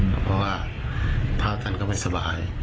เพราะว่าพระท่านก็ไม่สบาย